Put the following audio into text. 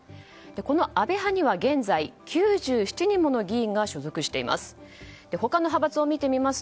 この安倍派には現在９７人もの議員が所属しています。